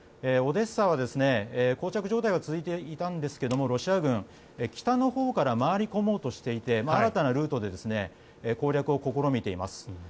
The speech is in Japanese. オデッサはこう着状態が続いていたんですがロシア軍は北のほうから回り込もうとしていて新たなルートで攻略を試みています。